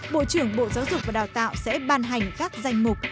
bộ trưởng bộ giáo dục và đào tạo sẽ ban hành các danh mục